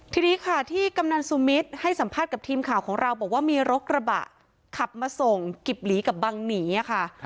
ทีนี้ค่ะที่กำนันสุมิตรให้สัมภาษณ์กับทีมข่าวของเราบอกว่ามีรถกระบะขับมาส่งกิบหลีกับบังหนีค่ะ